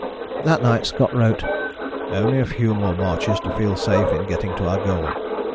That night Scott wrote: "Only a few more marches to feel safe in getting to our goal."